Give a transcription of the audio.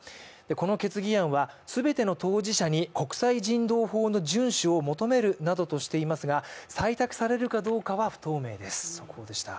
この決議案は全ての当事者に国際人道法の順守を求めるなどとしていますが採択されるかどうかは不透明です。